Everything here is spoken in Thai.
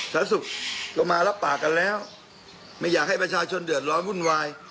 สาธารณสุขก็มารับปากกันแล้วไม่อยากให้ประชาชนเดือดร้อนวุ่นวาย